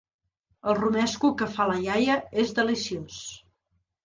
El romesco que fa la iaia és deliciós.